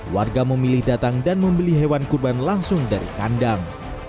warga memilih datang dan membeli hewan kurban langsung dari kandang